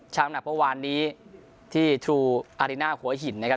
หนักเมื่อวานนี้ที่ทรูอาริน่าหัวหินนะครับ